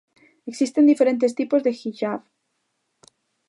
Existen diferentes tipos de hixab.